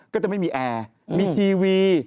ก็จะไม่มีแอร์มีทีวี